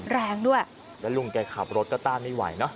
แรงด้วยแล้วลุงแกขับรถก็ต้านไม่ไหวเนอะ